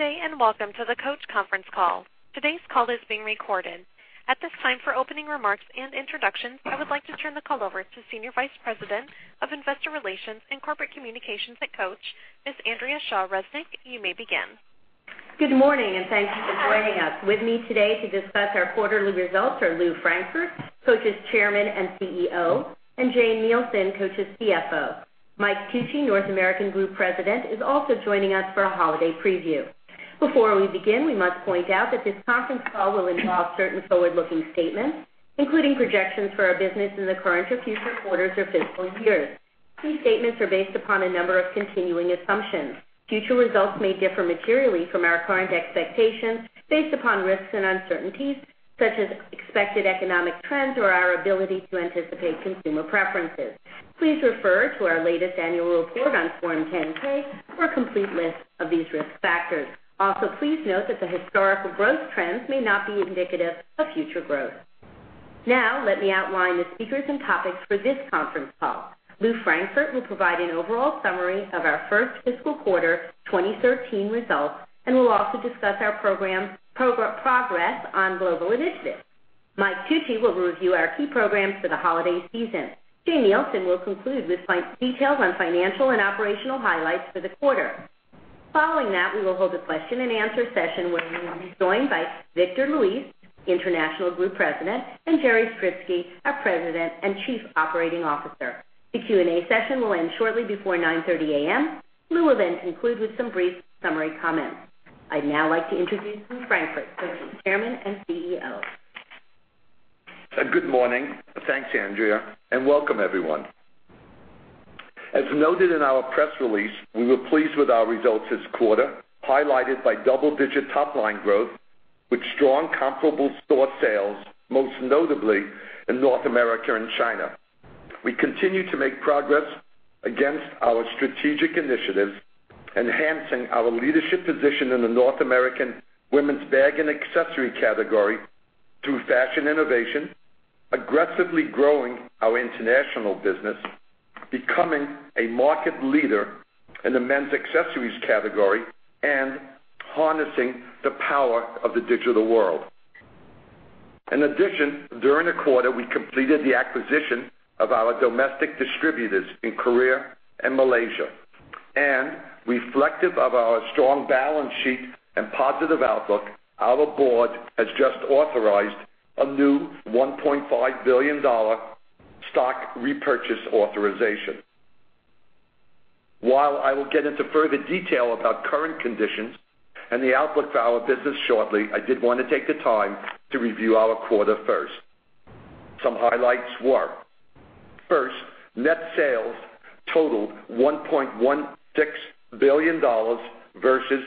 Hey, Jerry. Good day, welcome to the Coach conference call. Today's call is being recorded. At this time, for opening remarks and introductions, I would like to turn the call over to Senior Vice President of Investor Relations and Corporate Communications at Coach, Ms. Andrea Shaw Resnick. You may begin. Good morning, thank you for joining us. With me today to discuss our quarterly results are Lew Frankfort, Coach's Chairman and CEO, and Jane Nielsen, Coach's CFO. Mike Tucci, North American Group President, is also joining us for a holiday preview. Before we begin, we must point out that this conference call will involve certain forward-looking statements, including projections for our business in the current or future quarters or fiscal years. These statements are based upon a number of continuing assumptions. Future results may differ materially from our current expectations based upon risks and uncertainties such as expected economic trends or our ability to anticipate consumer preferences. Please refer to our latest annual report on Form 10-K for a complete list of these risk factors. Also, please note that the historical growth trends may not be indicative of future growth. Now, let me outline the speakers and topics for this conference call. Lew Frankfort will provide an overall summary of our first fiscal quarter 2013 results and will also discuss our progress on global initiatives. Mike Tucci will review our key programs for the holiday season. Jane Nielsen will conclude with details on financial and operational highlights for the quarter. Following that, we will hold a question-and-answer session where we will be joined by Victor Luis, International Group President, and Jerry Stritzke, our President and Chief Operating Officer. The Q&A session will end shortly before 9:30 A.M. Lew will conclude with some brief summary comments. I'd now like to introduce Lew Frankfort, Coach's Chairman and CEO. Good morning. Thanks, Andrea, and welcome everyone. As noted in our press release, we were pleased with our results this quarter, highlighted by double-digit top-line growth with strong comparable store sales, most notably in North America and China. We continue to make progress against our strategic initiatives, enhancing our leadership position in the North American women's bag and accessory category through fashion innovation, aggressively growing our international business, becoming a market leader in the men's accessories category, and harnessing the power of the digital world. In addition, during the quarter, we completed the acquisition of our domestic distributors in Korea and Malaysia. Reflective of our strong balance sheet and positive outlook, our board has just authorized a new $1.5 billion stock repurchase authorization. While I will get into further detail about current conditions and the outlook for our business shortly, I did want to take the time to review our quarter first. Some highlights were, first, net sales totaled $1.16 billion versus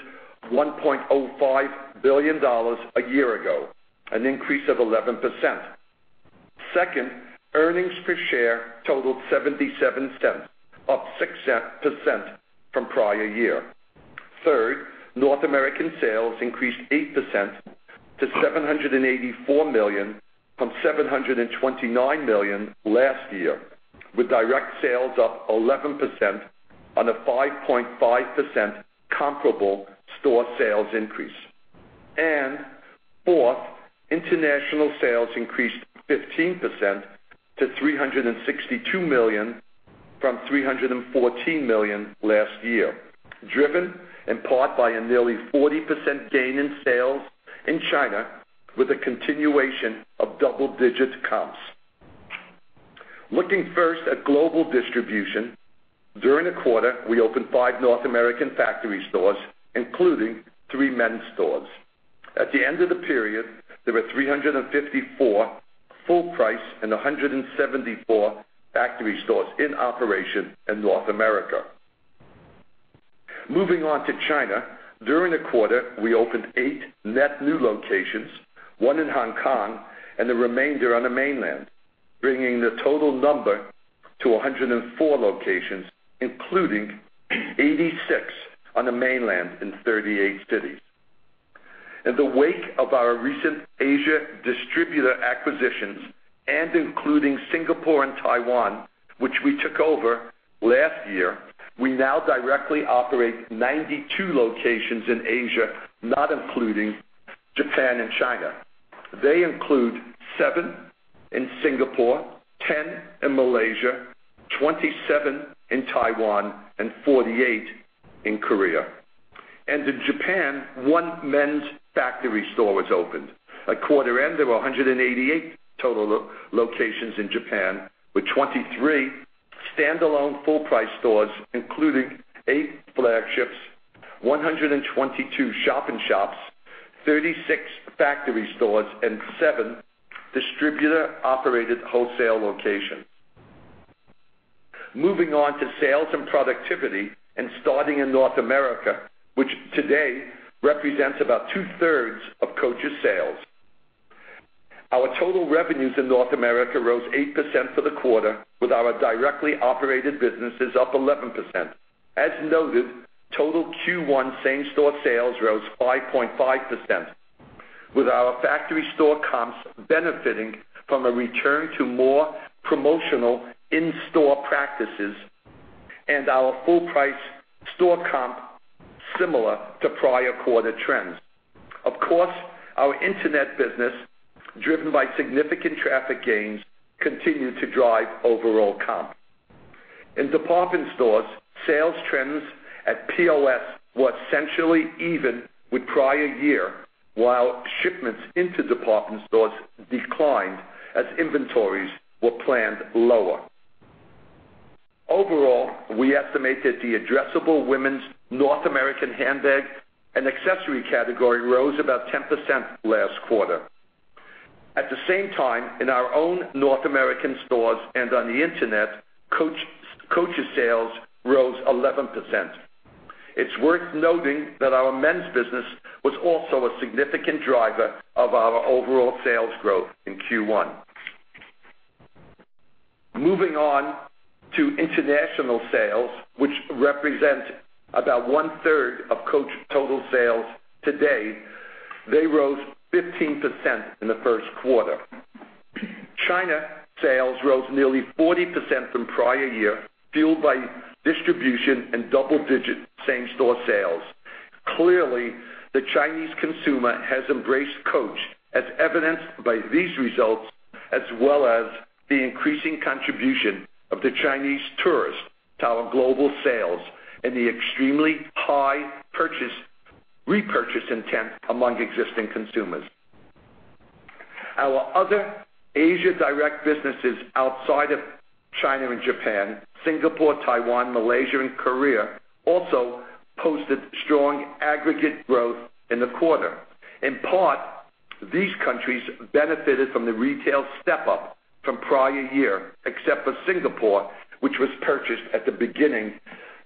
$1.05 billion a year ago, an increase of 11%. Second, earnings per share totaled $0.77, up 6% from prior year. Third, North American sales increased 8% to $784 million from $729 million last year, with direct sales up 11% on a 5.5% comparable store sales increase. Fourth, international sales increased 15% to $362 million from $314 million last year, driven in part by a nearly 40% gain in sales in China with a continuation of double-digit comps. Looking first at global distribution, during the quarter, we opened five North American factory stores, including three men's stores. At the end of the period, there were 354 full-price and 174 factory stores in operation in North America. Moving on to China, during the quarter, we opened eight net new locations, one in Hong Kong and the remainder on the mainland, bringing the total number to 104 locations, including 86 on the mainland in 38 cities. In the wake of our recent Asia distributor acquisitions and including Singapore and Taiwan, which we took over last year, we now directly operate 92 locations in Asia, not including Japan and China. They include seven in Singapore, 10 in Malaysia, 27 in Taiwan, and 48 in Korea. In Japan, one men's factory store was opened. At quarter end, there were 188 total locations in Japan, with 23 standalone full-price stores, including eight flagships, 122 shop-in-shops, 36 factory stores, and seven distributor-operated wholesale locations. Moving on to sales and productivity, starting in North America, which today represents about two-thirds of Coach's sales. Our total revenues in North America rose 8% for the quarter, with our directly operated businesses up 11%. As noted, total Q1 same-store sales rose 5.5%. With our factory store comps benefiting from a return to more promotional in-store practices, and our full-price store comp similar to prior quarter trends. Of course, our internet business, driven by significant traffic gains, continued to drive overall comp. In department stores, sales trends at POS were essentially even with prior year, while shipments into department stores declined as inventories were planned lower. Overall, we estimate that the addressable women's North American handbag and accessory category rose about 10% last quarter. At the same time, in our own North American stores and on the internet, Coach's sales rose 11%. It's worth noting that our men's business was also a significant driver of our overall sales growth in Q1. Moving on to international sales, which represent about one-third of Coach total sales today, they rose 15% in the first quarter. China sales rose nearly 40% from prior year, fueled by distribution and double-digit same-store sales. Clearly, the Chinese consumer has embraced Coach, as evidenced by these results, as well as the increasing contribution of the Chinese tourist to our global sales and the extremely high repurchase intent among existing consumers. Our other Asia direct businesses outside of China and Japan, Singapore, Taiwan, Malaysia, and Korea also posted strong aggregate growth in the quarter. In part, these countries benefited from the retail step-up from prior year, except for Singapore, which was purchased at the beginning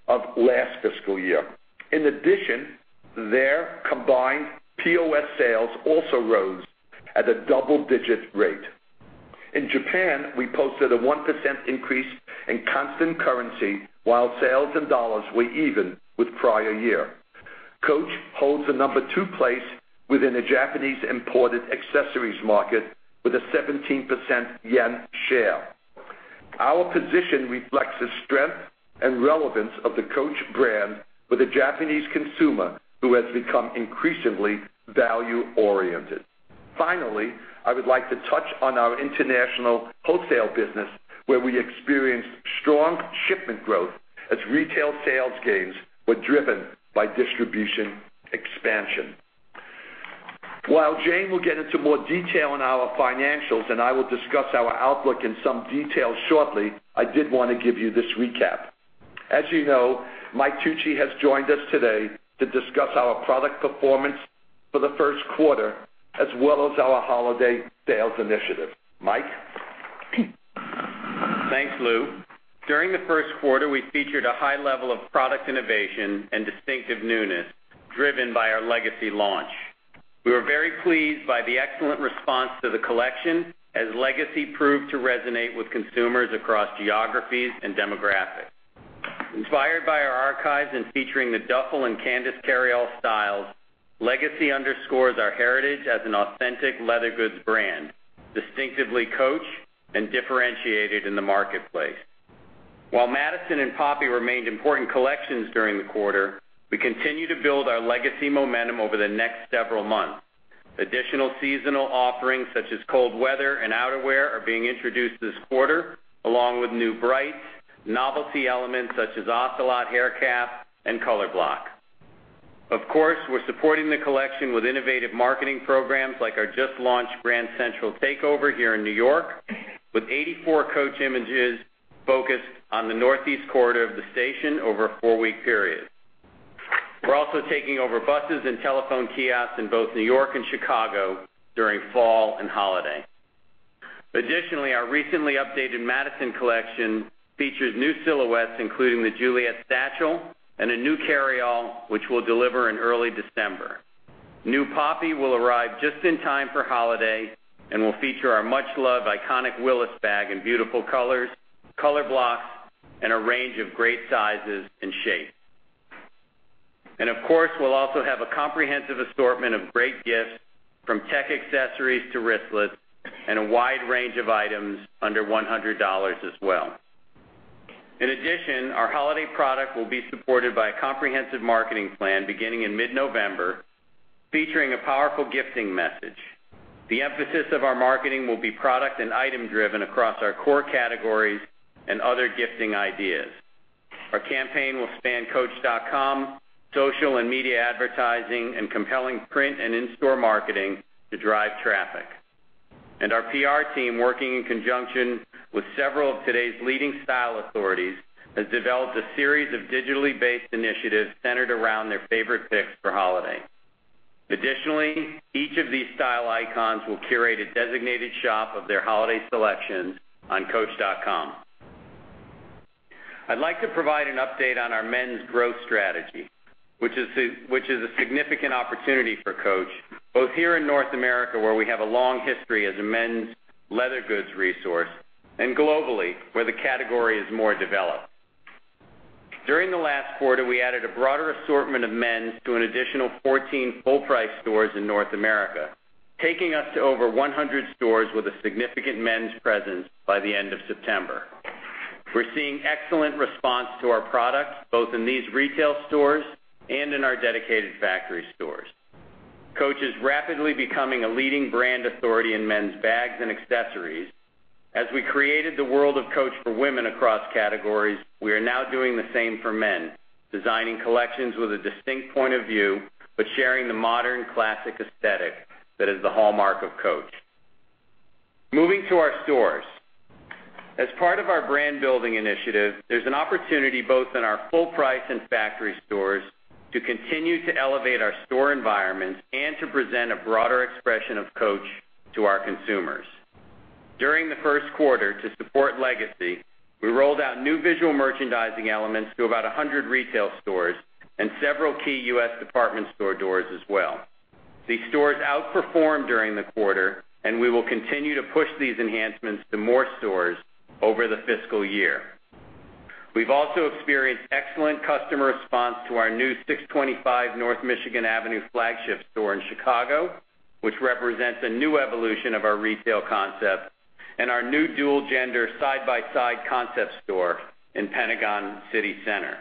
of last fiscal year. In addition, their combined POS sales also rose at a double-digit rate. In Japan, we posted a 1% increase in constant currency, while sales in dollars were even with prior year. Coach holds the number two place within the Japanese imported accessories market with a 17% yen share. Our position reflects the strength and relevance of the Coach brand with the Japanese consumer, who has become increasingly value-oriented. Finally, I would like to touch on our international wholesale business, where we experienced strong shipment growth as retail sales gains were driven by distribution expansion. While Jane will get into more detail on our financials, and I will discuss our outlook in some detail shortly, I did want to give you this recap. As you know, Mike Tucci has joined us today to discuss our product performance for the first quarter, as well as our holiday sales initiative. Mike? Thanks, Lew. During the first quarter, we featured a high level of product innovation and distinctive newness driven by our Legacy launch. We were very pleased by the excellent response to the collection, as Legacy proved to resonate with consumers across geographies and demographics. Inspired by our archives and featuring the Duffle and Candace carryall styles, Legacy underscores our heritage as an authentic leather goods brand, distinctively Coach and differentiated in the marketplace. While Madison and Poppy remained important collections during the quarter, we continue to build our Legacy momentum over the next several months. Additional seasonal offerings such as cold weather and outerwear are being introduced this quarter, along with new bright novelty elements such as Ocelot hair calf and color block. Of course, we're supporting the collection with innovative marketing programs like our just-launched Grand Central takeover here in New York, with 84 Coach images focused on the northeast corridor of the station over a four-week period. We're also taking over buses and telephone kiosks in both New York and Chicago during fall and holiday. Additionally, our recently updated Madison collection features new silhouettes, including the Juliette satchel and a new carryall, which we'll deliver in early December. New Poppy will arrive just in time for holiday and will feature our much-loved iconic Willis bag in beautiful colors, color blocks, and a range of great sizes and shapes. And of course, we'll also have a comprehensive assortment of great gifts from tech accessories to wristlets and a wide range of items under $100 as well. In addition, our holiday product will be supported by a comprehensive marketing plan beginning in mid-November, featuring a powerful gifting message. The emphasis of our marketing will be product and item-driven across our core categories and other gifting ideas. Our campaign will span coach.com, social and media advertising, and compelling print and in-store marketing to drive traffic. Our PR team, working in conjunction with several of today's leading style authorities, has developed a series of digitally based initiatives centered around their favorite picks for holiday. Additionally, each of these style icons will curate a designated shop of their holiday selections on coach.com. I'd like to provide an update on our men's growth strategy, which is a significant opportunity for Coach, both here in North America, where we have a long history as a men's leather goods resource, and globally, where the category is more developed. During the last quarter, we added a broader assortment of men's to an additional 14 full-price stores in North America, taking us to over 100 stores with a significant men's presence by the end of September. We're seeing excellent response to our products, both in these retail stores and in our dedicated factory stores. Coach is rapidly becoming a leading brand authority in men's bags and accessories. As we created the world of Coach for women across categories, we are now doing the same for men, designing collections with a distinct point of view, but sharing the modern classic aesthetic that is the hallmark of Coach. Moving to our stores. As part of our brand-building initiative, there's an opportunity both in our full-price and factory stores to continue to elevate our store environments and to present a broader expression of Coach to our consumers. During the first quarter, to support Legacy, we rolled out new visual merchandising elements to about 100 retail stores and several key U.S. department store doors as well. These stores outperformed during the quarter, and we will continue to push these enhancements to more stores over the fiscal year. We've also experienced excellent customer response to our new 625 North Michigan Avenue flagship store in Chicago, which represents a new evolution of our retail concept and our new dual-gender side-by-side concept store in Pentagon City Center.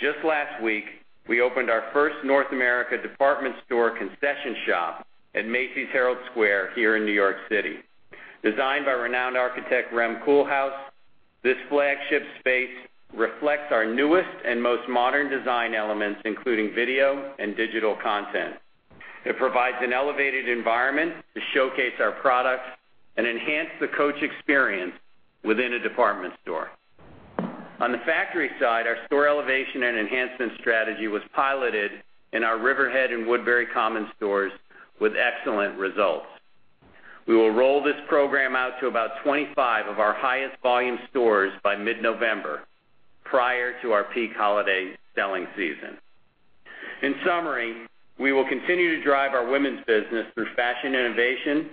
Just last week, we opened our first North America department store concession shop at Macy's Herald Square here in New York City. Designed by renowned architect Rem Koolhaas, this flagship space reflects our newest and most modern design elements, including video and digital content. It provides an elevated environment to showcase our products and enhance the Coach experience within a department store. On the factory side, our store elevation and enhancement strategy was piloted in our Riverhead and Woodbury Common stores with excellent results. We will roll this program out to about 25 of our highest volume stores by mid-November, prior to our peak holiday selling season. In summary, we will continue to drive our women's business through fashion innovation,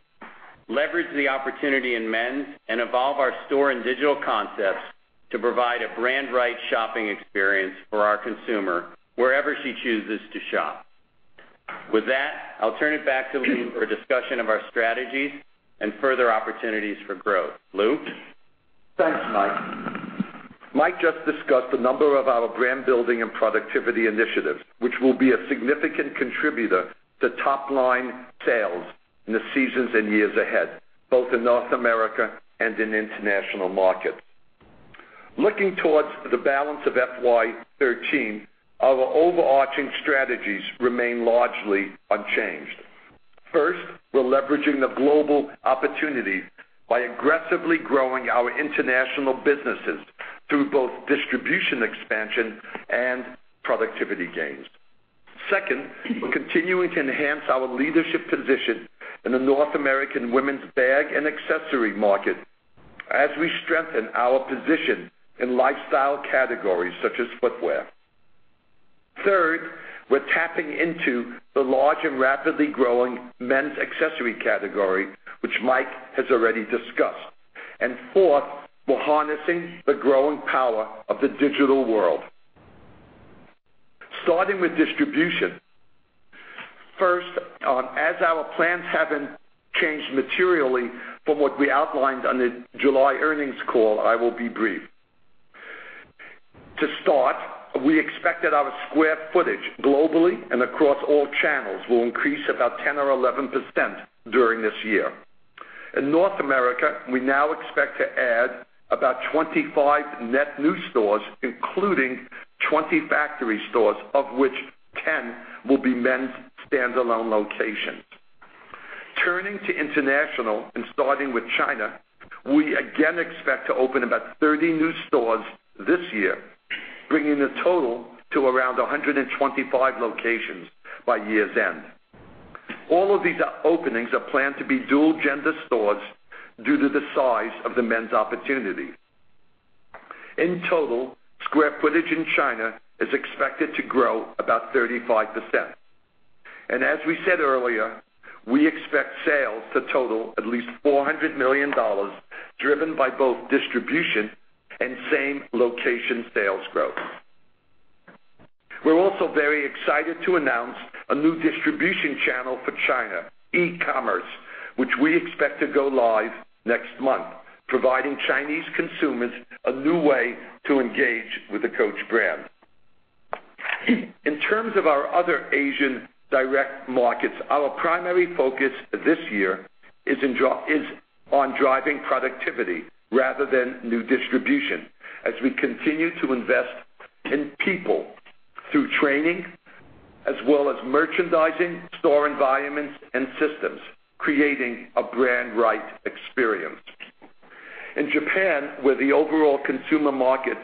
leverage the opportunity in men's, and evolve our store and digital concepts to provide a brand right shopping experience for our consumer wherever she chooses to shop. With that, I'll turn it back to Lou for a discussion of our strategies and further opportunities for growth. Lou? Thanks, Mike. Mike just discussed a number of our brand-building and productivity initiatives, which will be a significant contributor to top-line sales in the seasons and years ahead, both in North America and in international markets. Looking towards the balance of FY 2013, our overarching strategies remain largely unchanged. First, we're leveraging the global opportunities by aggressively growing our international businesses through both distribution expansion and productivity gains. Second, we're continuing to enhance our leadership position in the North American women's bag and accessory market as we strengthen our position in lifestyle categories such as footwear. Third, we're tapping into the large and rapidly growing men's accessory category, which Mike has already discussed. Fourth, we're harnessing the growing power of the digital world. Starting with distribution. First, as our plans haven't changed materially from what we outlined on the July earnings call, I will be brief. To start, we expect that our square footage globally and across all channels will increase about 10% or 11% during this year. In North America, we now expect to add about 25 net new stores, including 20 factory stores, of which 10 will be men's standalone locations. Turning to international and starting with China, we again expect to open about 30 new stores this year, bringing the total to around 125 locations by year's end. All of these openings are planned to be dual-gender stores due to the size of the men's opportunity. In total, square footage in China is expected to grow about 35%. As we said earlier, we expect sales to total at least $400 million, driven by both distribution and same-location sales growth. We're also very excited to announce a new distribution channel for China, e-commerce, which we expect to go live next month, providing Chinese consumers a new way to engage with the Coach brand. In terms of our other Asian direct markets, our primary focus this year is on driving productivity rather than new distribution as we continue to invest in people through training as well as merchandising, store environments, and systems, creating a brand right experience. In Japan, where the overall consumer market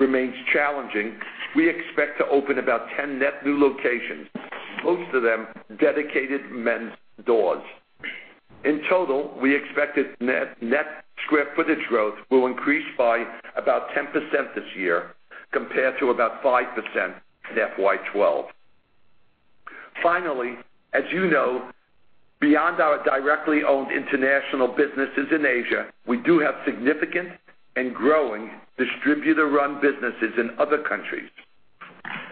remains challenging, we expect to open about 10 net new locations, most of them dedicated men's doors. In total, we expect net square footage growth will increase by about 10% this year compared to about 5% in FY 2012. Finally, as you know, beyond our directly owned international businesses in Asia, we do have significant and growing distributor-run businesses in other countries.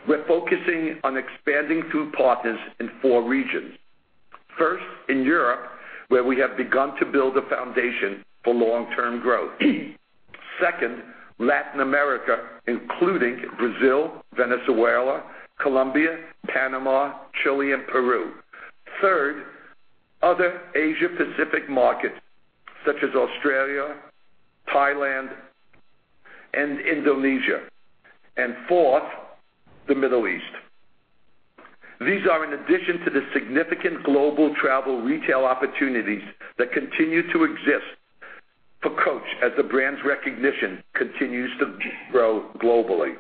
We're focusing on expanding through partners in four regions. First, in Europe, where we have begun to build a foundation for long-term growth. Second, Latin America, including Brazil, Venezuela, Colombia, Panama, Chile, and Peru. Third, other Asia-Pacific markets, such as Australia, Thailand, and Indonesia. Fourth, the Middle East. These are in addition to the significant global travel retail opportunities that continue to exist for Coach as the brand's recognition continues to grow globally.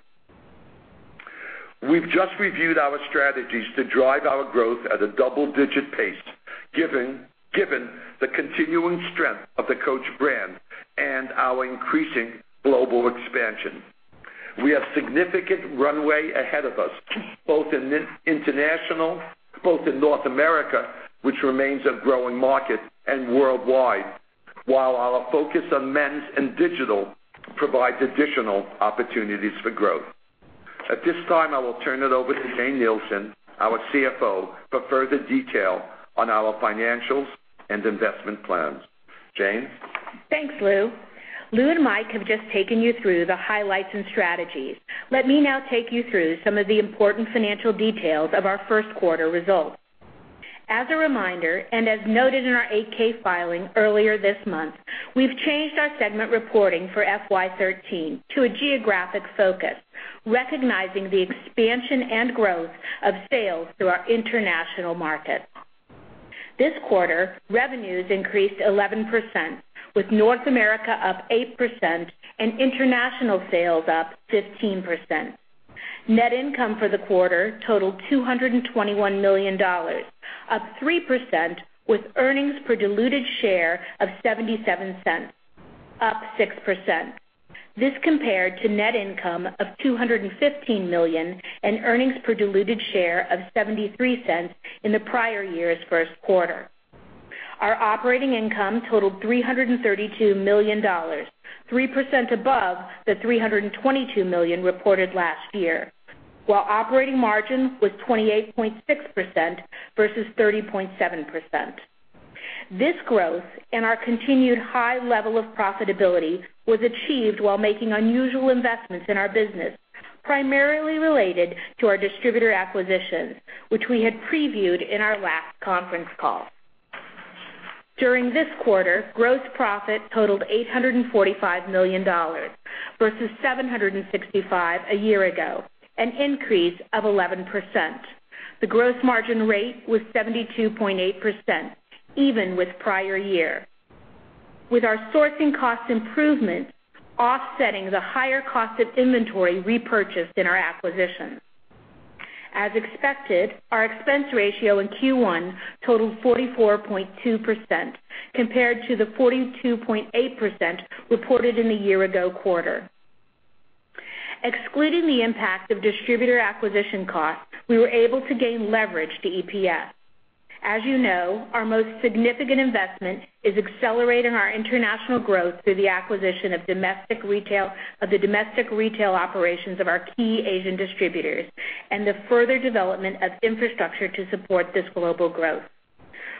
We've just reviewed our strategies to drive our growth at a double-digit pace, given the continuing strength of the Coach brand and our increasing global expansion. We have significant runway ahead of us, both in North America, which remains a growing market, and worldwide. While our focus on men's and digital provides additional opportunities for growth. At this time, I will turn it over to Jane Nielsen, our CFO, for further detail on our financials and investment plans. Jane? Thanks, Lew. Lew and Mike have just taken you through the highlights and strategies. Let me now take you through some of the important financial details of our first quarter results. As a reminder, as noted in our 8-K filing earlier this month, we've changed our segment reporting for FY 2013 to a geographic focus, recognizing the expansion and growth of sales through our international markets. This quarter, revenues increased 11%, with North America up 8% and international sales up 15%. Net income for the quarter totaled $221 million, up 3%, with earnings per diluted share of $0.77, up 6%. This compared to net income of $215 million and earnings per diluted share of $0.73 in the prior year's first quarter. Our operating income totaled $332 million, 3% above the $322 million reported last year, while operating margin was 28.6% versus 30.7%. This growth and our continued high level of profitability was achieved while making unusual investments in our business, primarily related to our distributor acquisitions, which we had previewed in our last conference call. During this quarter, gross profit totaled $845 million versus $765 million a year ago, an increase of 11%. The gross margin rate was 72.8%, even with the prior year, with our sourcing cost improvements offsetting the higher cost of inventory repurchased in our acquisitions. As expected, our expense ratio in Q1 totaled 44.2%, compared to the 42.8% reported in the year-ago quarter. Excluding the impact of distributor acquisition costs, we were able to gain leverage to EPS. As you know, our most significant investment is accelerating our international growth through the acquisition of the domestic retail operations of our key Asian distributors and the further development of infrastructure to support this global growth.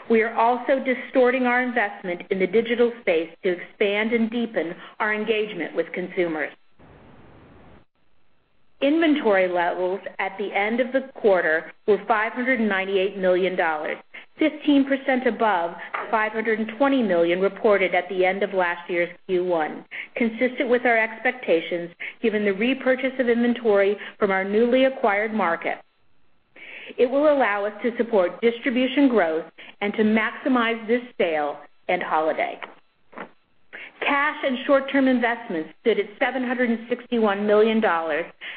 We are also distorting our investment in the digital space to expand and deepen our engagement with consumers. Inventory levels at the end of the quarter were $598 million, 15% above $520 million reported at the end of last year's Q1, consistent with our expectations given the repurchase of inventory from our newly acquired markets. It will allow us to support distribution growth and to maximize this sale and holiday. Cash and short-term investments stood at $761 million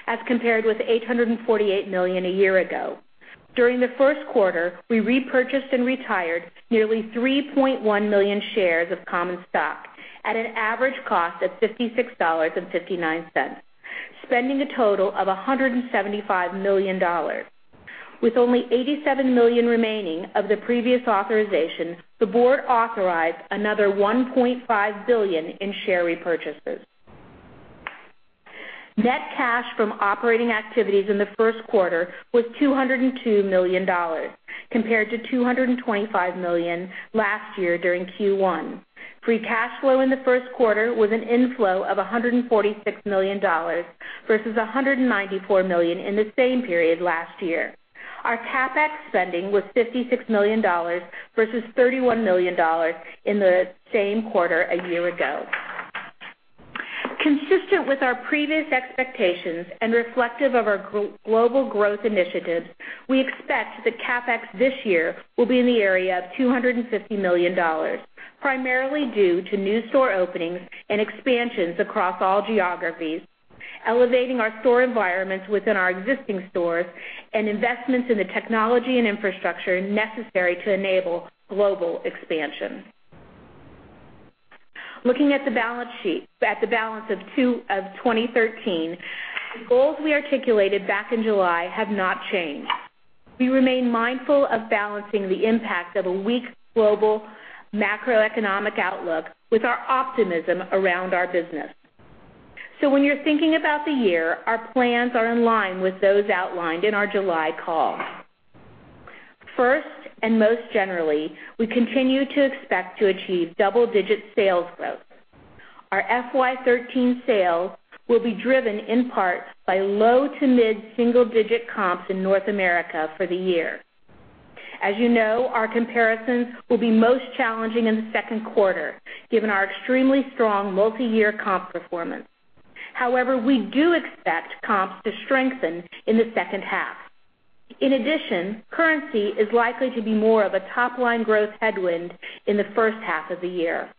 as compared with $848 million a year ago. During the first quarter, we repurchased and retired nearly 3.1 million shares of common stock at an average cost of $56.59, spending a total of $175 million. With only $87 million remaining of the previous authorization, the board authorized another $1.5 billion in share repurchases. Net cash from operating activities in the first quarter was $202 million compared to $225 million last year during Q1. Free cash flow in the first quarter was an inflow of $146 million versus $194 million in the same period last year. Our CapEx spending was $56 million versus $31 million in the same quarter a year ago. Consistent with our previous expectations and reflective of our global growth initiatives, we expect that CapEx this year will be in the area of $250 million, primarily due to new store openings and expansions across all geographies, elevating our store environments within our existing stores, and investments in the technology and infrastructure necessary to enable global expansion. Looking at the balance of 2013, the goals we articulated back in July have not changed. We remain mindful of balancing the impact of a weak global macroeconomic outlook with our optimism around our business. When you're thinking about the year, our plans are in line with those outlined in our July call. First, most generally, we continue to expect to achieve double-digit sales growth. Our FY 2013 sales will be driven in part by low to mid-single digit comps in North America for the year. As you know, our comparisons will be most challenging in the second quarter, given our extremely strong multi-year comp performance. However, we do expect comps to strengthen in the second half. In addition, currency is likely to be more of a top-line growth headwind in the first half of the year.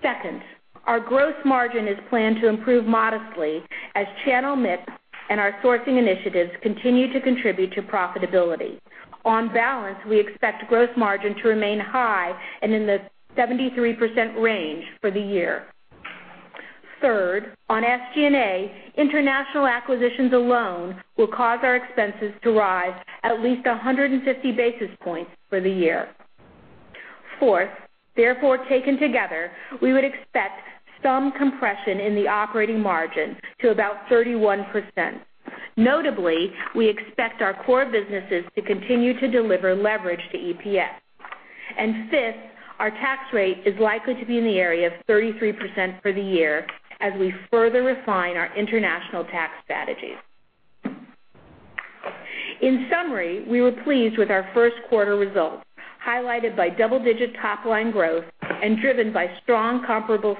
Second, our growth margin is planned to improve modestly as channel mix and our sourcing initiatives continue to contribute to profitability. On balance, we expect growth margin to remain high and in the 73% range for the year. Third, on SG&A, international acquisitions alone will cause our expenses to rise at least 150 basis points for the year. Fourth, therefore, taken together, we would expect some compression in the operating margin to about 31%. Notably, we expect our core businesses to continue to deliver leverage to EPS. Fifth, our tax rate is likely to be in the area of 33% for the year as we further refine our international tax strategies. In summary, we were pleased with our first quarter results, highlighted by double-digit top-line growth and driven by strong comparable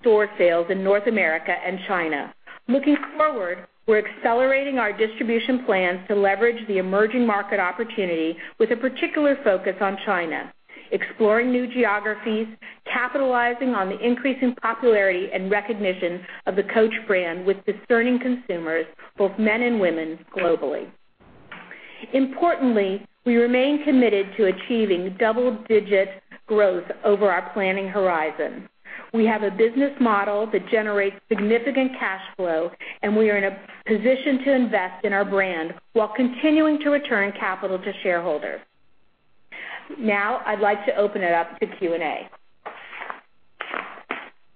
store sales in North America and China. Looking forward, we're accelerating our distribution plans to leverage the emerging market opportunity with a particular focus on China, exploring new geographies, capitalizing on the increasing popularity and recognition of the Coach brand with discerning consumers, both men and women, globally. Importantly, we remain committed to achieving double-digit growth over our planning horizon. We have a business model that generates significant cash flow, and we are in a position to invest in our brand while continuing to return capital to shareholders. Now, I'd like to open it up to Q&A.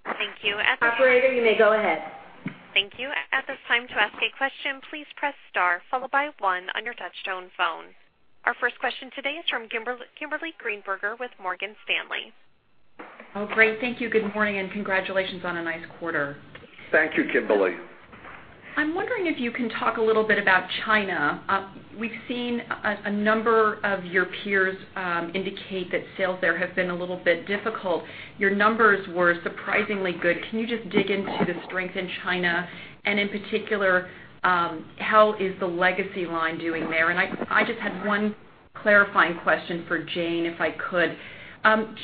Thank you. Operator, you may go ahead. Thank you. At this time, to ask a question, please press star followed by one on your touch-tone phone. Our first question today is from Kimberly Greenberger with Morgan Stanley. Oh, great. Thank you. Good morning and congratulations on a nice quarter. Thank you, Kimberly. I'm wondering if you can talk a little bit about China. We've seen a number of your peers indicate that sales there have been a little bit difficult. Your numbers were surprisingly good. Can you just dig into the strength in China? In particular, how is the Legacy line doing there? I just had one clarifying question for Jane, if I could.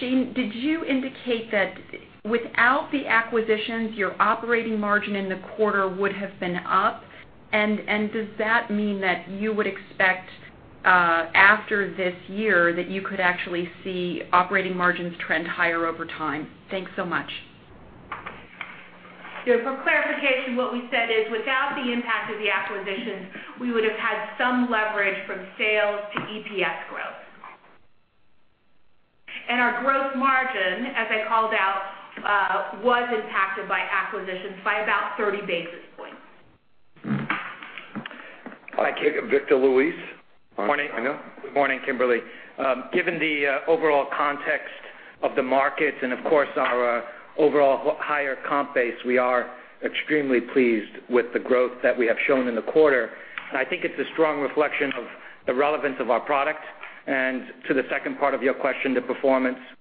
Jane, did you indicate that without the acquisitions, your operating margin in the quarter would have been up? Does that mean that you would expect after this year that you could actually see operating margins trend higher over time? Thanks so much. Yeah, for clarification, what we said is without the impact of the acquisitions, we would have had some leverage from sales to EPS growth. Our growth margin, as I called out, was impacted by acquisitions by about 30 basis points. Hi, Victor Luis. Morning, Kimberly. Given the overall context of the markets and of course, our overall higher comp base, we are extremely pleased with the growth that we have shown in the quarter. I think it's a strong reflection of the relevance of our product. To the second part of your question, the performance of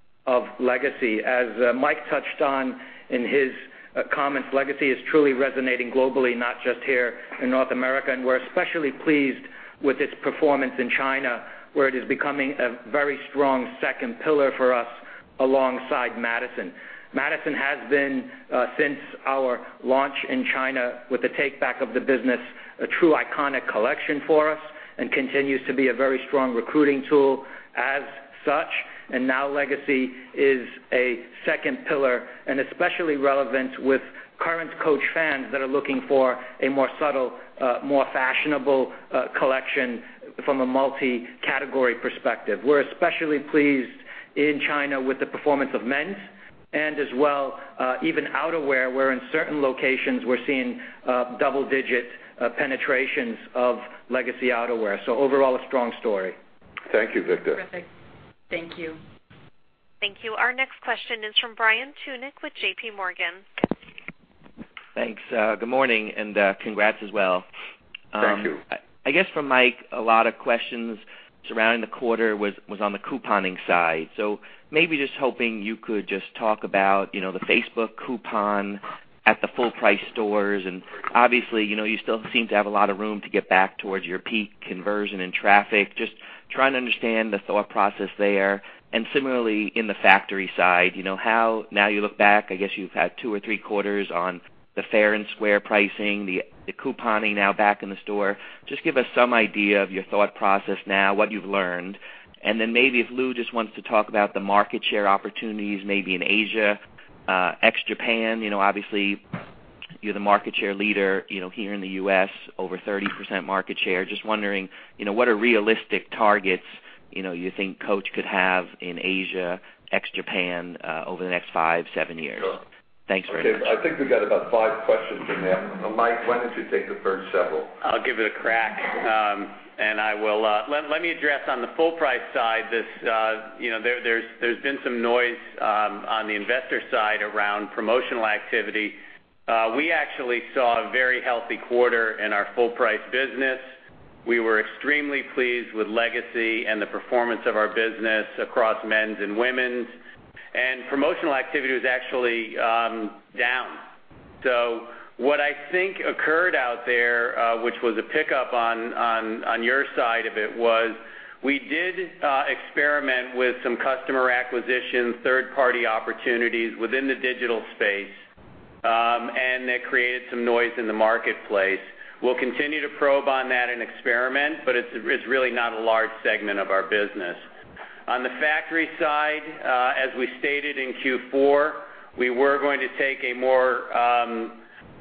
Legacy. As Mike touched on in his comments, Legacy is truly resonating globally, not just here in North America, and we're especially pleased with its performance in China, where it is becoming a very strong second pillar for us alongside Madison. Madison has been, since our launch in China with the take-back of the business, a true iconic collection for us and continues to be a very strong recruiting tool as such. Now Legacy is a second pillar and especially relevant with current Coach fans that are looking for a more subtle, more fashionable collection from a multi-category perspective. We're especially pleased in China with the performance of men's and as well even outerwear, where in certain locations we're seeing double-digit penetrations of Legacy outerwear. Overall, a strong story. Thank you, Victor. Terrific. Thank you. Thank you. Our next question is from Brian Tunick with J.P. Morgan. Thanks. Good morning, congrats as well. Thank you. I guess for Mike, a lot of questions surrounding the quarter was on the couponing side. Maybe just hoping you could just talk about the Facebook coupon at the full price stores. Obviously, you still seem to have a lot of room to get back towards your peak conversion and traffic. Just trying to understand the thought process there. Similarly, in the factory side, now you look back, I guess you've had two or three quarters on the Fair and Square pricing, the couponing now back in the store. Just give us some idea of your thought process now, what you've learned. Then maybe if Lou just wants to talk about the market share opportunities, maybe in Asia, ex-Japan. Obviously, you're the market share leader here in the U.S., over 30% market share. Just wondering, what are realistic targets, you think Coach could have in Asia, ex-Japan, over the next five, seven years? Sure. Thanks very much. Okay. I think we've got about five questions in there. Mike, why don't you take the first several? I'll give it a crack. Let me address on the full price side, there's been some noise on the investor side around promotional activity. We actually saw a very healthy quarter in our full price business. We were extremely pleased with Legacy and the performance of our business across men's and women's. Promotional activity was actually down. What I think occurred out there, which was a pickup on your side of it, was we did experiment with some customer acquisition, third-party opportunities within the digital space, and that created some noise in the marketplace. We'll continue to probe on that and experiment, but it's really not a large segment of our business. On the factory side, as we stated in Q4, we were going to take a more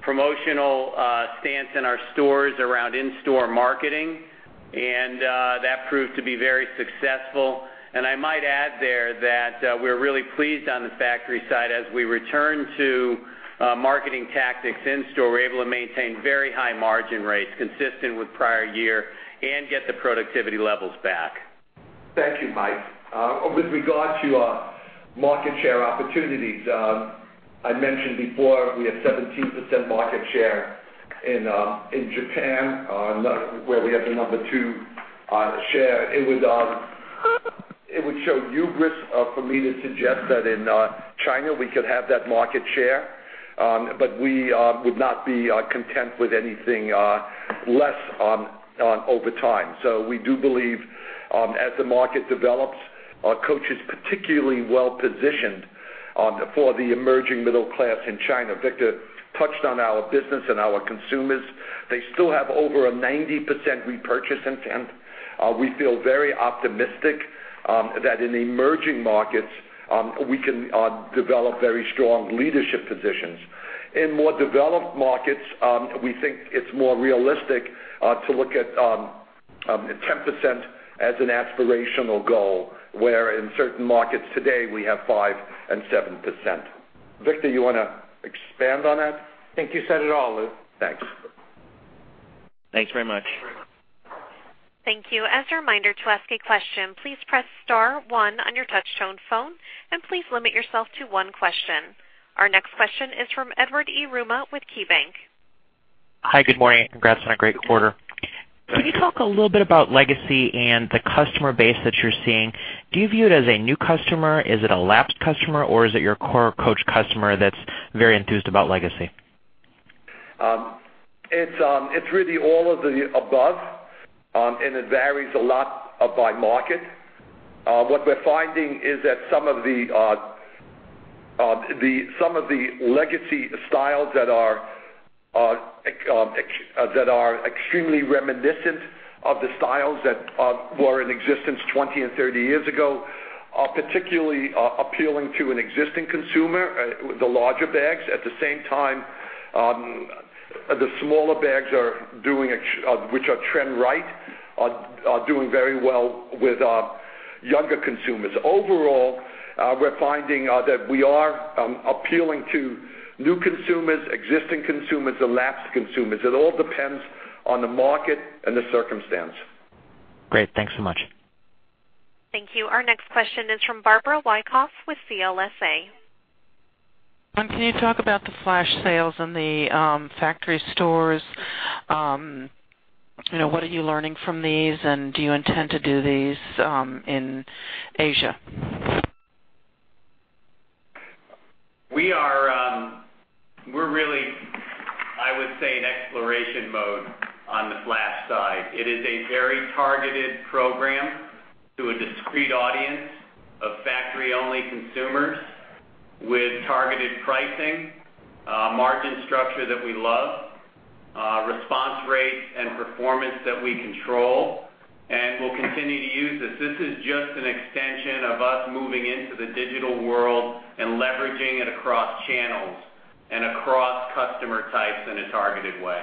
promotional stance in our stores around in-store marketing, and that proved to be very successful. I might add there that we're really pleased on the factory side. As we return to marketing tactics in-store, we're able to maintain very high margin rates consistent with prior year and get the productivity levels back. Thank you, Mike Tucci. With regard to our market share opportunities, I mentioned before we have 17% market share in Japan, where we have the number 2 share. It would show hubris for me to suggest that in China we could have that market share, but we would not be content with anything less over time. We do believe, as the market develops, Coach is particularly well-positioned for the emerging middle class in China. Victor Luis touched on our business and our consumers. They still have over a 90% repurchase intent. We feel very optimistic that in emerging markets, we can develop very strong leadership positions. In more developed markets, we think it's more realistic to look at 10% as an aspirational goal, where in certain markets today, we have 5% and 7%. Victor Luis, you want to expand on that? I think you said it all, Lew Frankfort. Thanks. Thanks very much. Thank you very much. Thank you. As a reminder, to ask a question, please press *1 on your touchtone phone, and please limit yourself to one question. Our next question is from Edward Yruma with KeyBanc. Hi, good morning. Congrats on a great quarter. Thank you. Can you talk a little bit about Legacy and the customer base that you're seeing? Do you view it as a new customer? Is it a lapsed customer, or is it your core Coach customer that's very enthused about Legacy? It's really all of the above, and it varies a lot by market. What we're finding is that some of the Legacy styles that are extremely reminiscent of the styles that were in existence 20 and 30 years ago are particularly appealing to an existing consumer, the larger bags. At the same time, the smaller bags, which are trend right, are doing very well with younger consumers. Overall, we're finding that we are appealing to new consumers, existing consumers, and lapsed consumers. It all depends on the market and the circumstance. Great. Thanks so much. Thank you. Our next question is from Barbara Wyckoff with CLSA. Can you talk about the flash sales in the factory stores? What are you learning from these, and do you intend to do these in Asia? We're really, I would say, in exploration mode on the flash side. It is a very targeted program to a discrete audience of factory-only consumers with targeted pricing, a margin structure that we love, response rates and performance that we control. We'll continue to use this. This is just an extension of us moving into the digital world and leveraging it across channels and across customer types in a targeted way.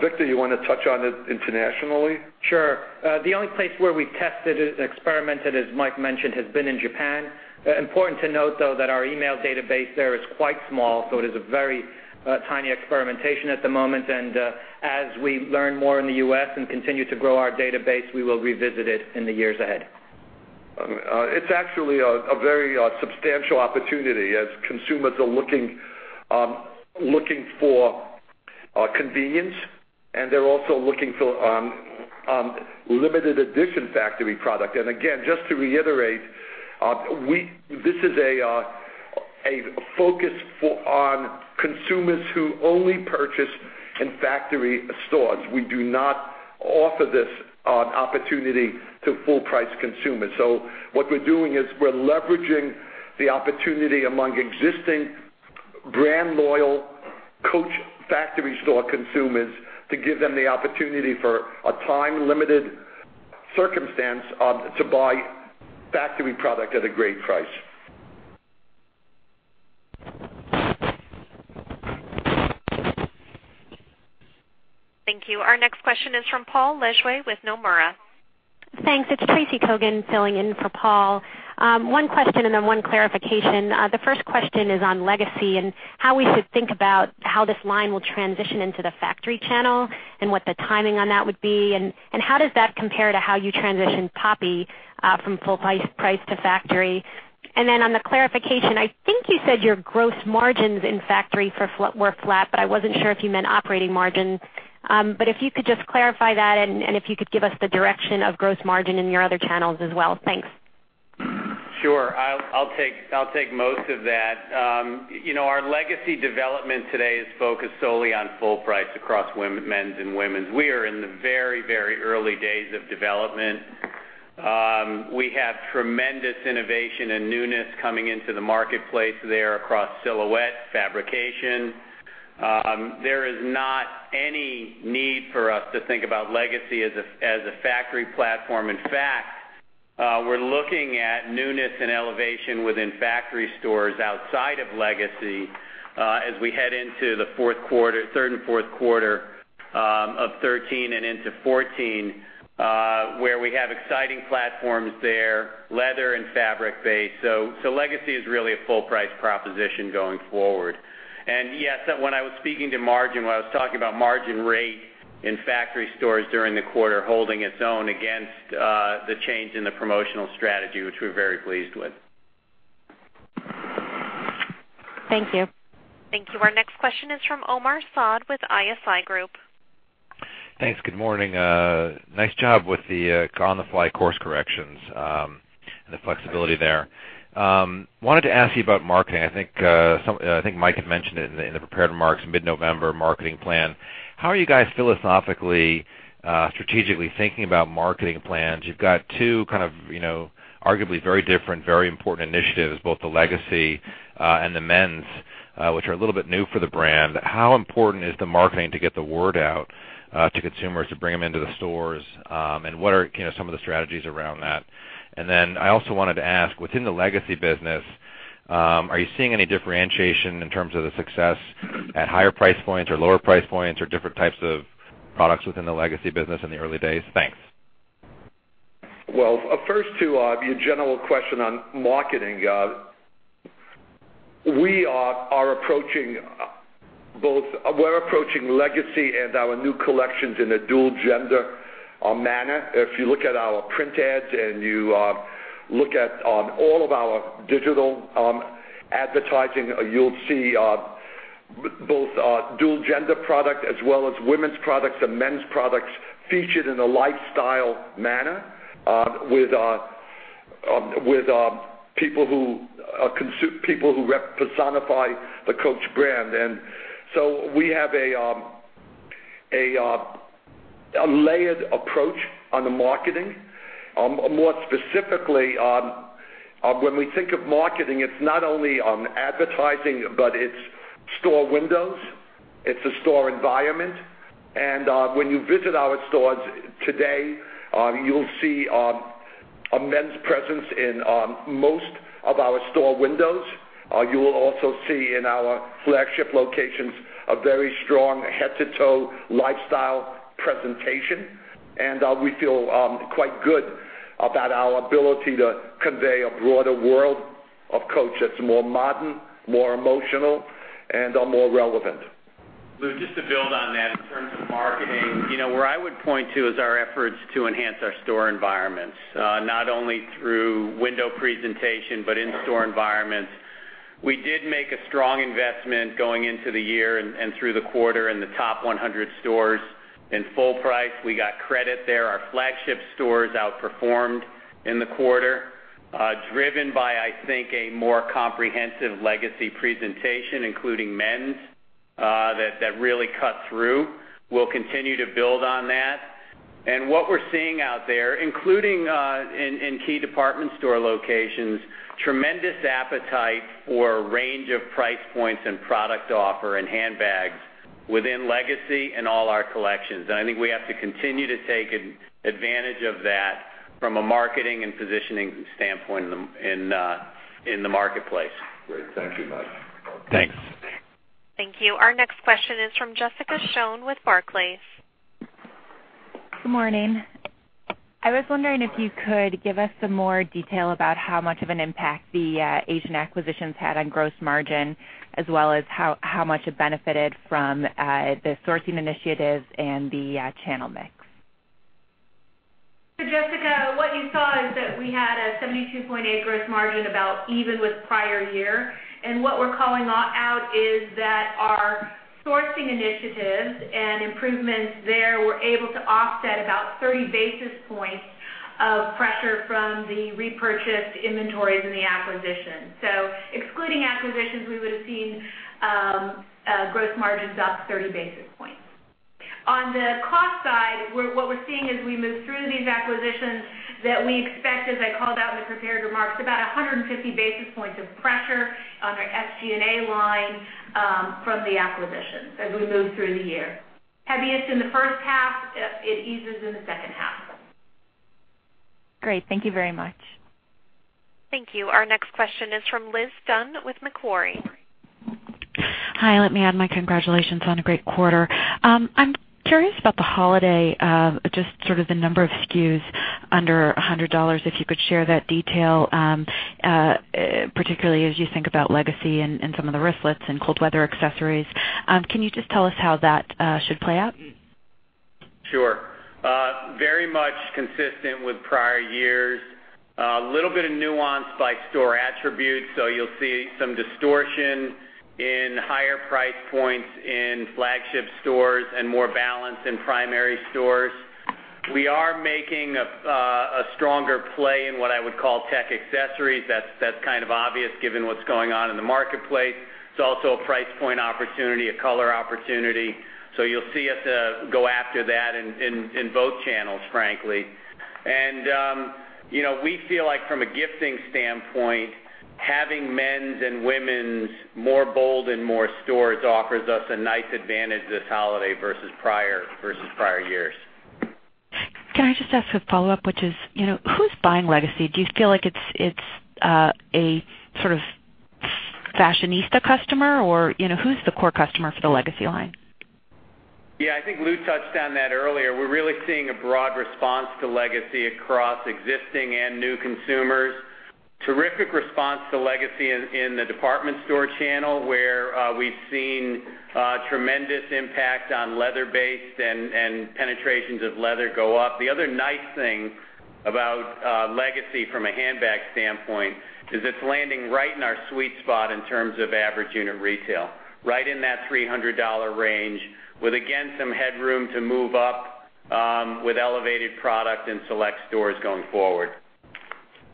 Victor, you want to touch on it internationally? Sure. The only place where we've tested it and experimented, as Mike mentioned, has been in Japan. Important to note, though, that our email database there is quite small. It is a very tiny experimentation at the moment. As we learn more in the U.S. and continue to grow our database, we will revisit it in the years ahead. It's actually a very substantial opportunity as consumers are looking for convenience, they're also looking for limited edition factory product. Again, just to reiterate, this is a focus on consumers who only purchase in factory stores. We do not offer this opportunity to full price consumers. What we're doing is we're leveraging the opportunity among existing brand loyal Coach factory store consumers to give them the opportunity for a time-limited circumstance to buy factory product at a great price. Thank you. Our next question is from Paul Lejuez with Nomura. Thanks. It's Tracy Kogan filling in for Paul. One question, then one clarification. The first question is on Legacy and how we should think about how this line will transition into the factory channel, what the timing on that would be, how does that compare to how you transitioned Poppy from full price to factory? On the clarification, I think you said your gross margins in factory were flat, I wasn't sure if you meant operating margin. If you could just clarify that, if you could give us the direction of gross margin in your other channels as well. Thanks. Sure. I'll take most of that. Our Legacy development today is focused solely on full price across men's and women's. We are in the very early days of development. We have tremendous innovation and newness coming into the marketplace there across silhouette, fabrication. There is not any need for us to think about Legacy as a factory platform. In fact, we're looking at newness and elevation within factory stores outside of Legacy as we head into the third and fourth quarter of 2013 and into 2014, where we have exciting platforms there, leather and fabric-based. Legacy is really a full-price proposition going forward. Yes, when I was speaking to margin, when I was talking about margin rate in factory stores during the quarter holding its own against the change in the promotional strategy, which we're very pleased with. Thank you. Thank you. Our next question is from Omar Saad with ISI Group. Thanks. Good morning. Nice job with the on-the-fly course corrections and the flexibility there. Wanted to ask you about marketing. I think Mike had mentioned it in the prepared remarks, mid-November marketing plan. How are you guys philosophically, strategically thinking about marketing plans? You've got two kind of arguably very different, very important initiatives, both the Legacy and the men's, which are a little bit new for the brand. How important is the marketing to get the word out to consumers to bring them into the stores? What are some of the strategies around that? Then I also wanted to ask, within the Legacy business, are you seeing any differentiation in terms of the success at higher price points or lower price points or different types of products within the Legacy business in the early days? Thanks. Well, first to your general question on marketing. We are approaching Legacy and our new collections in a dual-gender manner. If you look at our print ads and you look at all of our digital advertising, you'll see both dual-gender product as well as women's products and men's products featured in a lifestyle manner with people who personify the Coach brand. We have a layered approach on the marketing. More specifically, when we think of marketing, it's not only on advertising, but it's store windows, it's the store environment. When you visit our stores today, you'll see a men's presence in most of our store windows. You will also see in our flagship locations a very strong head-to-toe lifestyle presentation. We feel quite good about our ability to convey a broader world of Coach that's more modern, more emotional, and more relevant. Lew, just to build on that in terms of marketing. Where I would point to is our efforts to enhance our store environments, not only through window presentation but in store environments. We did make a strong investment going into the year and through the quarter in the top 100 stores. In full price, we got credit there. Our flagship stores outperformed in the quarter, driven by, I think, a more comprehensive Legacy presentation, including men's, that really cut through. We'll continue to build on that. What we're seeing out there, including in key department store locations, tremendous appetite for a range of price points and product offer and handbags within Legacy and all our collections. I think we have to continue to take advantage of that from a marketing and positioning standpoint in the marketplace. Great. Thank you, Mike. Thanks. Thank you. Our next question is from Jessica Schoen with Barclays. Good morning. I was wondering if you could give us some more detail about how much of an impact the Asian acquisitions had on gross margin, as well as how much it benefited from the sourcing initiatives and the channel mix. Jessica, what you saw is that we had a 72.8 gross margin, about even with prior year. What we're calling out is that our sourcing initiatives and improvements there were able to offset about 30 basis points of pressure from the repurchased inventories in the acquisition. Excluding acquisitions, we would have seen gross margins up 30 basis points. On the cost side, what we're seeing as we move through these acquisitions, we expect, as I called out in the prepared remarks, about 150 basis points of pressure on our SG&A line from the acquisitions as we move through the year. Heaviest in the first half, it eases in the second half. Great. Thank you very much. Thank you. Our next question is from Liz Dunn with Macquarie. Hi. Let me add my congratulations on a great quarter. I'm curious about the holiday, just sort of the number of SKUs under $100, if you could share that detail, particularly as you think about Legacy and some of the wristlets and cold weather accessories. Can you just tell us how that should play out? Sure. Very much consistent with prior years. A little bit of nuance by store attributes. You'll see some distortion in higher price points in flagship stores and more balance in primary stores. We are making a stronger play in what I would call tech accessories. That's kind of obvious given what's going on in the marketplace. It's also a price point opportunity, a color opportunity. You'll see us go after that in both channels, frankly. We feel like from a gifting standpoint, having men's and women's more bold and more storage offers us a nice advantage this holiday versus prior years. Can I just ask a follow-up, which is, who's buying Legacy? Do you feel like it's a sort of fashionista customer, or who's the core customer for the Legacy line? Yeah, I think Lew touched on that earlier. We're really seeing a broad response to Legacy across existing and new consumers. Terrific response to Legacy in the department store channel, where we've seen tremendous impact on leather-based and penetrations of leather go up. The other nice thing about Legacy from a handbag standpoint is it's landing right in our sweet spot in terms of average unit retail. Right in that $300 range with, again, some headroom to move up with elevated product in select stores going forward.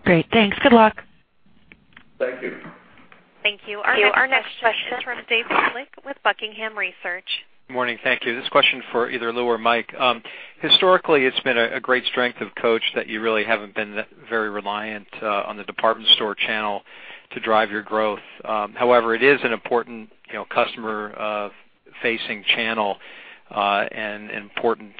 Great. Thanks. Good luck. Thank you. Thank you. Our next question is from David Schick with Buckingham Research. Good morning. Thank you. This question for either Lew or Mike. Historically, it's been a great strength of Coach that you really haven't been very reliant on the department store channel to drive your growth. However, it is an important customer-facing channel and important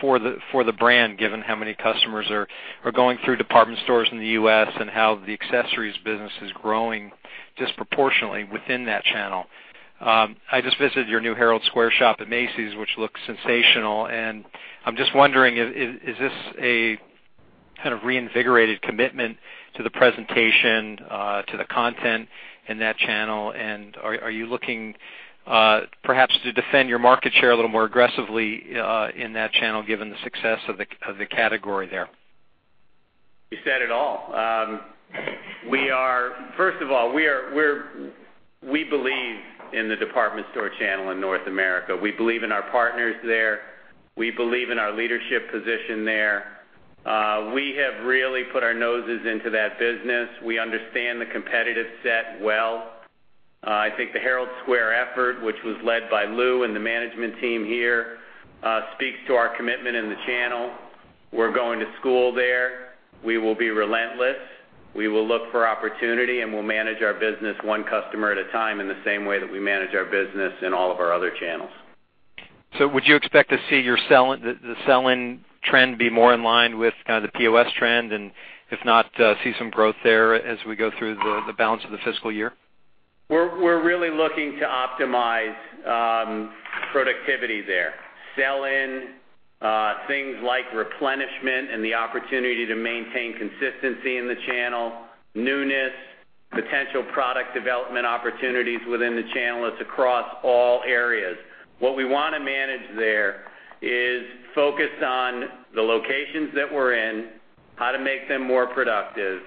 for the brand, given how many customers are going through department stores in the U.S. and how the accessories business is growing disproportionately within that channel. I just visited your new Herald Square shop at Macy's, which looks sensational. I'm just wondering, is this a kind of reinvigorated commitment to the presentation, to the content in that channel? Are you looking perhaps to defend your market share a little more aggressively in that channel given the success of the category there? You said it all. First of all, we believe in the department store channel in North America. We believe in our partners there. We believe in our leadership position there. We have really put our noses into that business. We understand the competitive set well. I think the Herald Square effort, which was led by Lew and the management team here, speaks to our commitment in the channel. We're going to school there. We will be relentless. We will look for opportunity, and we'll manage our business one customer at a time in the same way that we manage our business in all of our other channels. Would you expect to see the sell-in trend be more in line with kind of the POS trend? If not, see some growth there as we go through the balance of the fiscal year? We're really looking to optimize productivity there. Sell-in, things like replenishment and the opportunity to maintain consistency in the channel, newness, potential product development opportunities within the channel. It's across all areas. What we want to manage there is focus on the locations that we're in, how to make them more productive,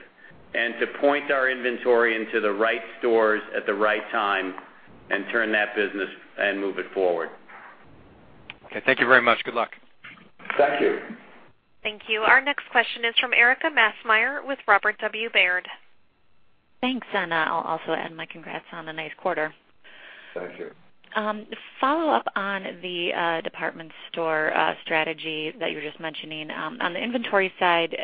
and to point our inventory into the right stores at the right time and turn that business and move it forward. Okay. Thank you very much. Good luck. Thank you. Thank you. Our next question is from Erika Maschmeyer with Robert W. Baird. Thanks, I'll also add my congrats on a nice quarter. Thank you. Follow-up on the department store strategy that you were just mentioning. On the inventory side,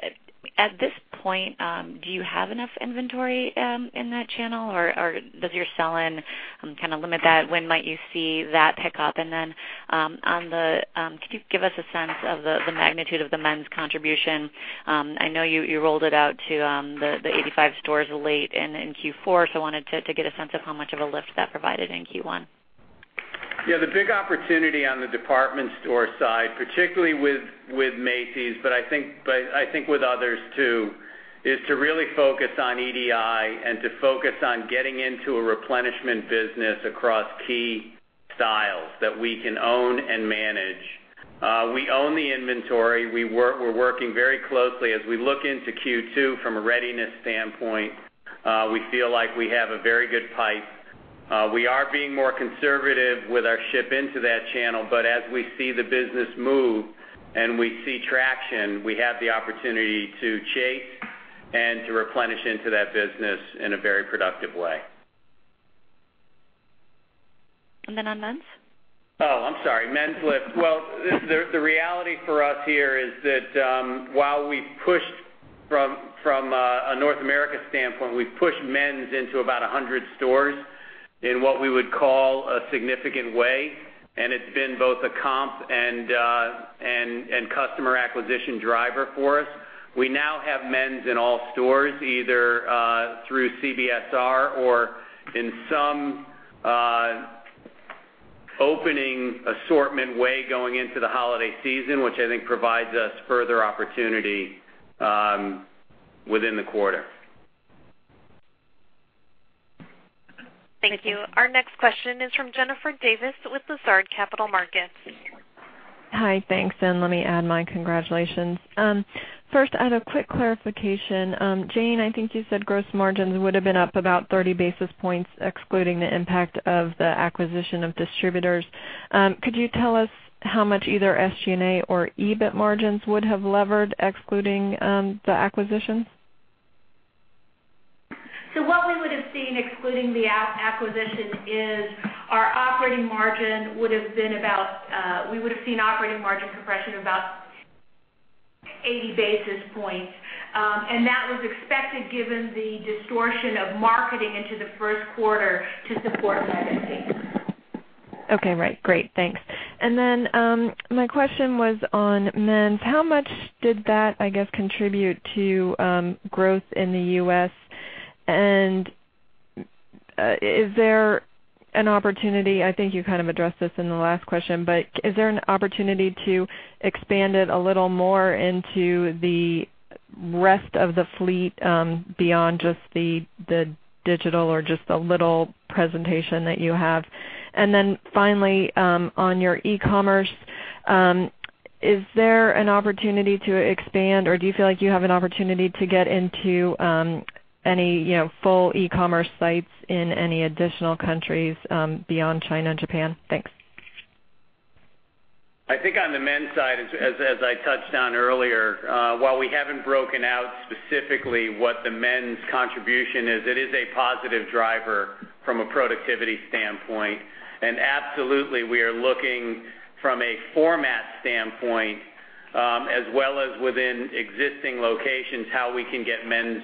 at this point, do you have enough inventory in that channel, or does your sell-in kind of limit that? When might you see that pick up? Could you give us a sense of the magnitude of the men's contribution? I know you rolled it out to the 85 stores late and in Q4, so wanted to get a sense of how much of a lift that provided in Q1. Yeah, the big opportunity on the department store side, particularly with Macy's, but I think with others too, is to really focus on EDI and to focus on getting into a replenishment business across key styles that we can own and manage. We own the inventory. We're working very closely as we look into Q2 from a readiness standpoint. We feel like we have a very good pipe. We are being more conservative with our ship into that channel, but as we see the business move and we see traction, we have the opportunity to chase and to replenish into that business in a very productive way. On men's? Oh, I'm sorry. Men's lift. Well, the reality for us here is that while we pushed from a North America standpoint, we've pushed men's into about 100 stores in what we would call a significant way, and it's been both a comp and customer acquisition driver for us. We now have men's in all stores, either through CBSR or in some opening assortment way going into the holiday season, which I think provides us further opportunity within the quarter. Thank you. Our next question is from Jennifer Davis with Lazard Capital Markets. Hi. Thanks, and let me add my congratulations. First, I had a quick clarification. Jane, I think you said gross margins would have been up about 30 basis points, excluding the impact of the acquisition of distributors. Could you tell us how much either SG&A or EBIT margins would have levered excluding the acquisitions? What we would have seen excluding the acquisition is we would have seen operating margin compression about 80 basis points. That was expected given the distortion of marketing into the first quarter to support Legacy. Okay, right. Great. Thanks. My question was on men's. How much did that, I guess, contribute to growth in the U.S., and is there an opportunity I think you kind of addressed this in the last question, is there an opportunity to expand it a little more into the rest of the fleet, beyond just the digital or just the little presentation that you have? Finally, on your e-commerce, is there an opportunity to expand, or do you feel like you have an opportunity to get into any full e-commerce sites in any additional countries beyond China and Japan? Thanks. I think on the men's side, as I touched on earlier, while we haven't broken out specifically what the men's contribution is, it is a positive driver from a productivity standpoint. Absolutely, we are looking from a format standpoint, as well as within existing locations, how we can get men's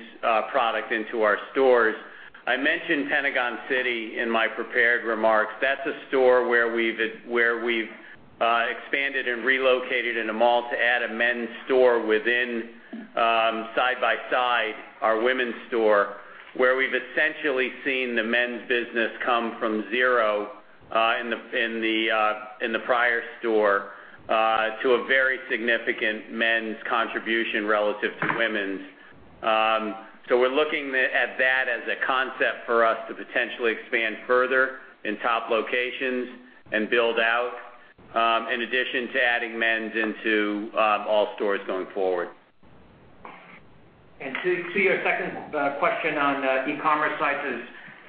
product into our stores. I mentioned Pentagon City in my prepared remarks. That's a store where we've expanded and relocated in a mall to add a men's store within, side by side our women's store, where we've essentially seen the men's business come from zero in the prior store, to a very significant men's contribution relative to women's. We're looking at that as a concept for us to potentially expand further in top locations and build out, in addition to adding men's into all stores going forward. To your second question on e-commerce sites,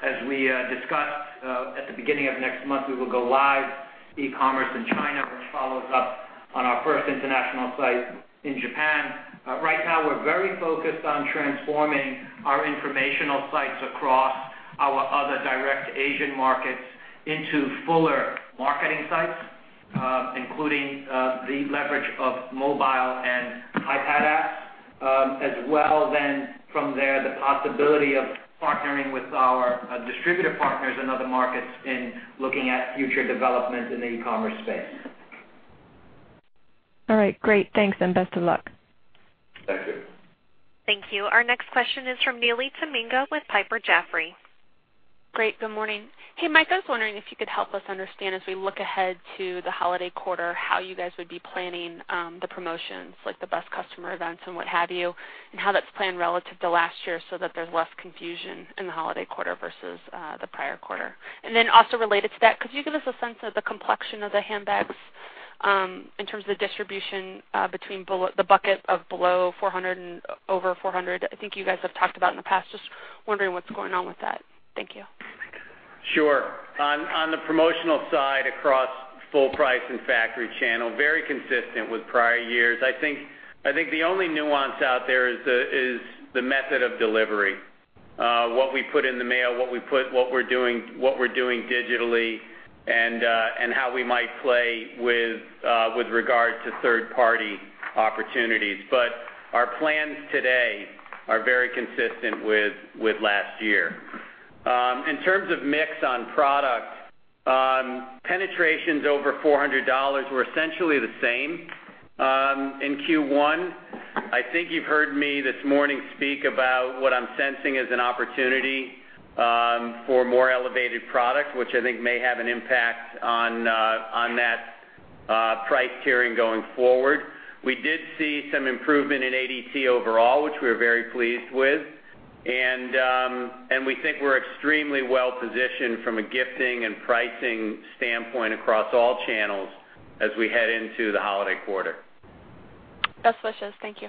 as we discussed, at the beginning of next month, we will go live e-commerce in China, which follows up on our first international site in Japan. Right now, we're very focused on transforming our informational sites across our other direct Asian markets into fuller marketing sites, including the leverage of mobile and iPad apps, as well then from there, the possibility of partnering with our distributor partners in other markets in looking at future development in the e-commerce space. All right. Great. Thanks, and best of luck. Thank you. Thank you. Our next question is from Neely Tamminga with Piper Jaffray. Great. Good morning. Hey, Mike, I was wondering if you could help us understand as we look ahead to the holiday quarter, how you guys would be planning the promotions, like the best customer events and what have you, and how that's planned relative to last year so that there's less confusion in the holiday quarter versus the prior quarter. Also related to that, could you give us a sense of the complexion of the handbags in terms of the distribution between the bucket of below $400 and over $400? I think you guys have talked about in the past. Just wondering what's going on with that. Thank you. Sure. On the promotional side, across full price and factory channel, very consistent with prior years. I think the only nuance out there is the method of delivery. What we put in the mail, what we're doing digitally and how we might play with regard to third-party opportunities. Our plans today are very consistent with last year. In terms of mix on product, penetrations over $400 were essentially the same in Q1. I think you've heard me this morning speak about what I'm sensing is an opportunity for more elevated product, which I think may have an impact on that price tiering going forward. We did see some improvement in AUR overall, which we are very pleased with. We think we're extremely well positioned from a gifting and pricing standpoint across all channels as we head into the holiday quarter. Best wishes. Thank you.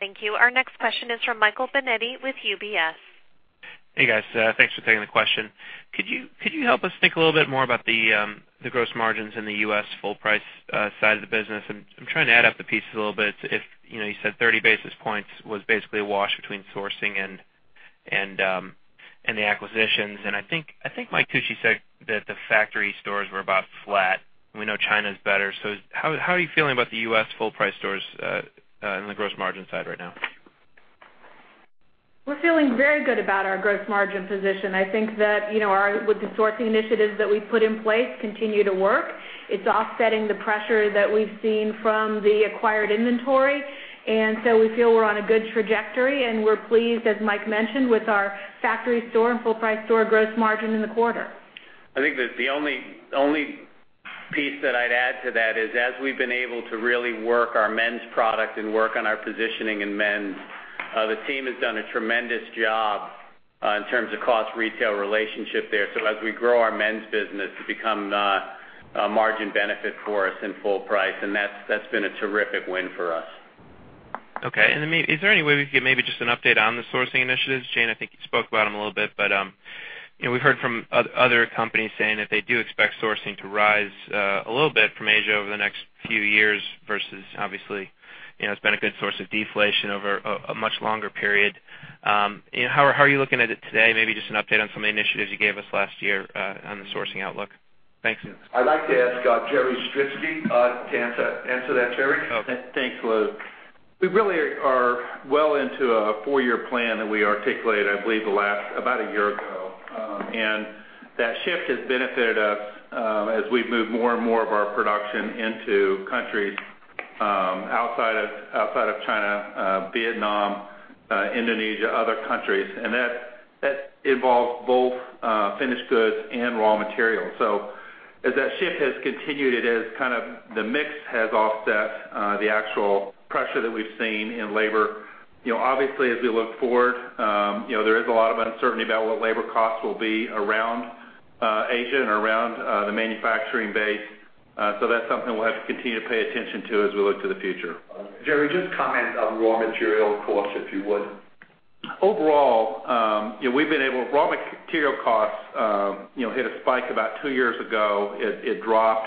Thank you. Our next question is from Michael Binetti with UBS. Hey, guys. Thanks for taking the question. Could you help us think a little bit more about the gross margins in the U.S. full price side of the business? I'm trying to add up the pieces a little bit. You said 30 basis points was basically a wash between sourcing and the acquisitions. I think Mike Tucci said that the factory stores were about flat. We know China's better. How are you feeling about the U.S. full price stores on the gross margin side right now? We're feeling very good about our gross margin position. I think that with the sourcing initiatives that we've put in place continue to work. It's offsetting the pressure that we've seen from the acquired inventory, we feel we're on a good trajectory, and we're pleased, as Mike mentioned, with our factory store and full price store gross margin in the quarter. I think that the only piece that I'd add to that is as we've been able to really work our men's product and work on our positioning in men's, the team has done a tremendous job in terms of cost retail relationship there. As we grow our men's business, it's become a margin benefit for us in full price, and that's been a terrific win for us. Okay. To me, is there any way we could get maybe just an update on the sourcing initiatives? Jane, I think you spoke about them a little bit, we've heard from other companies saying that they do expect sourcing to rise a little bit from Asia over the next few years versus obviously, it's been a good source of deflation over a much longer period. How are you looking at it today? Maybe just an update on some of the initiatives you gave us last year on the sourcing outlook. Thanks. I'd like to ask Jerry Stritzke to answer that. Jerry? Thanks, Lew. We really are well into a four-year plan that we articulated, I believe, about a year ago. That shift has benefited us as we've moved more and more of our production into countries outside of China, Vietnam, Indonesia, other countries. That involves both finished goods and raw materials. As that shift has continued, the mix has offset the actual pressure that we've seen in labor. Obviously, as we look forward, there is a lot of uncertainty about what labor costs will be around Asia and around the manufacturing base. That's something we'll have to continue to pay attention to as we look to the future. Jerry, just comment on raw material costs, if you would. Overall, raw material costs hit a spike about two years ago. It dropped.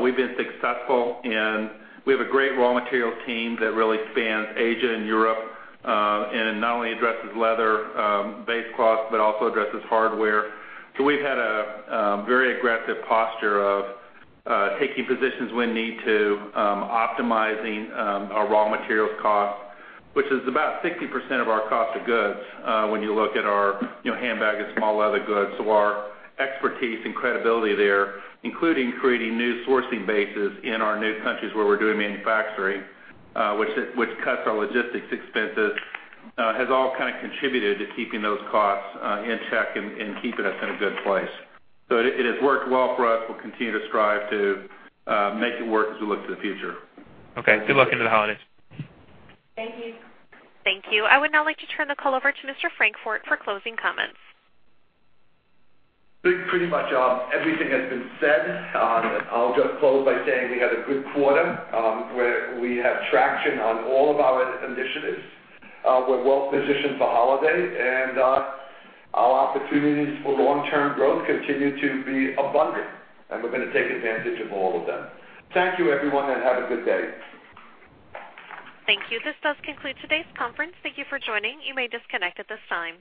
We've been successful, and we have a great raw material team that really spans Asia and Europe, and it not only addresses leather base costs but also addresses hardware. We've had a very aggressive posture of taking positions we need to, optimizing our raw materials cost, which is about 60% of our cost of goods when you look at our handbag and small leather goods. Our expertise and credibility there, including creating new sourcing bases in our new countries where we're doing manufacturing which cuts our logistics expenses, has all kind of contributed to keeping those costs in check and keeping us in a good place. It has worked well for us. We'll continue to strive to make it work as we look to the future. Okay. Good luck into the holidays. Thank you. Thank you. I would now like to turn the call over to Mr. Lew Frankfort for closing comments. Pretty much everything has been said. I'll just close by saying we had a good quarter, where we have traction on all of our initiatives. We're well-positioned for holiday, and our opportunities for long-term growth continue to be abundant, and we're going to take advantage of all of them. Thank you, everyone, and have a good day. Thank you. This does conclude today's conference. Thank you for joining. You may disconnect at this time.